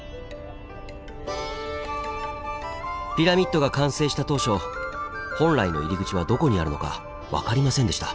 ピラミッドが完成した当初本来の入り口はどこにあるのか分かりませんでした。